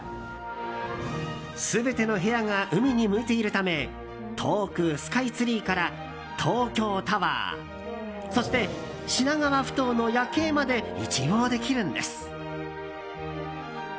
全ての部屋が海に向いているため遠くスカイツリーから東京タワーそして品川埠頭の夜景まで一望できるんです。